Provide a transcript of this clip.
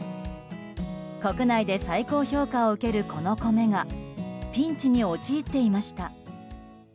国内で最高評価を受けるこの米がピンチに陥っていました。